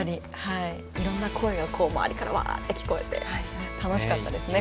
いろんな声が周りからわって聞こえて楽しかったですね。